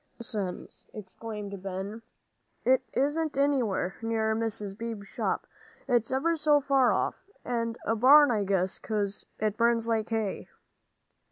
"Nonsense!" exclaimed Ben, "it isn't anywhere near Mr. Beebe's shop. It's ever so far off. And a barn, I guess, 'cause it burns like hay."